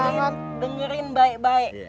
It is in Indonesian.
dengerin dengerin baik baik